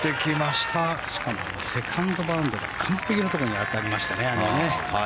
しかもセカンドバウンドが完璧なところに当たりましたね。